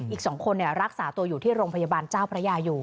อีก๒คนรักษาตัวอยู่ที่โรงพยาบาลเจ้าพระยาอยู่